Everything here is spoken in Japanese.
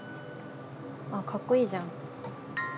あっ、かっこいいじゃん。